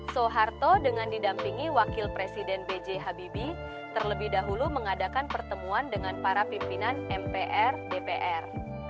soeharto dengan didampingi wakil presiden b j habibie terlebih dahulu mengadakan pertemuan dengan para pimpinan mpr dpr